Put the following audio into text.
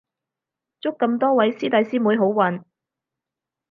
祝咁多位師弟師妹好運